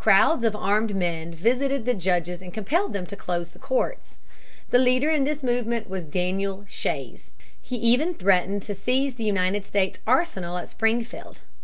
Crowds of armed men visited the judges and compelled them to close the courts. The leader in this movement was Daniel Shays. He even threatened to seize the United States Arsenal at Springfield.